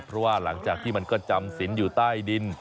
เพราะว่าหลังจากที่มันก็จำสินอยู่ใต้ดิน